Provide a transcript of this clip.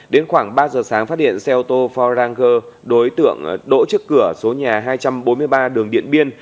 đến khoảng ba giờ sáng phát hiện xe ô tô ford ranger đối tượng đỗ trước cửa số nhà hai trăm bốn mươi ba đường điện biên